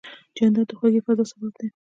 جانداد د خوږې فضا سبب دی.